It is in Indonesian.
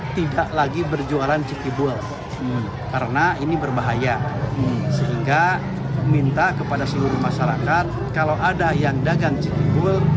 saya minta di jawa barat untuk tidak lagi berjualan cikingebul karena ini berbahaya sehingga minta kepada seluruh masyarakat kalau ada yang dagang cikingebul